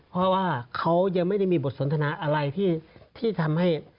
เพราะว่าเขายังไม่ได้มีบทสนทนาอะไรที่ทำให้